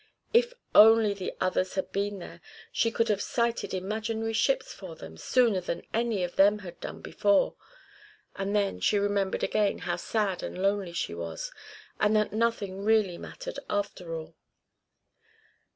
If only the others had been there she could have sighted imaginary ships for them sooner than any of them had done before; and then she remembered again how sad and lonely she was, and that nothing really mattered after all.